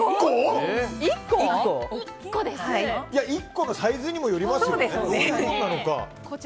１個のサイズにもよりますよ。